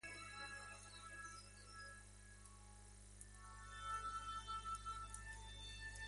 Las plantas son de pequeño o mediano tamaño, la mayoría con valor ornamental.